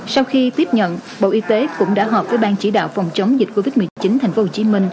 sau khi tiếp nhận bộ y tế cũng đã họp với ban chỉ đạo phòng chống dịch covid một mươi chín tp hcm